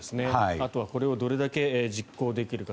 あとはこれをどれだけ実行できるか。